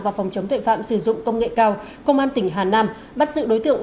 và phòng chống tuệ phạm sử dụng công nghệ cao công an tỉnh hà nam bắt giữ đối tượng